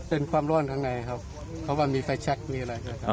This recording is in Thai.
เป็นความร่วมข้างในครับเพราะว่ามีไฟแช็กมีอะไร